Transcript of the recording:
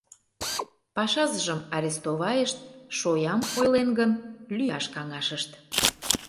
Пашазыжым арестовайышт, шоям ойлен гын, лӱяш каҥашышт...